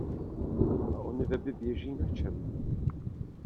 A ony weby běží na čem?